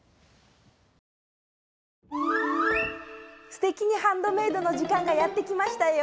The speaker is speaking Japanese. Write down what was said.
「すてきにハンドメイド」の時間がやって来ましたよ。